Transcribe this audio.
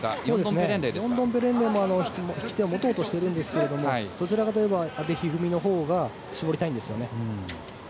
ヨンドンペレンレイも引き手を持とうとしているんですがどちらかといえば阿部一二三のほうが絞りたいんですよね。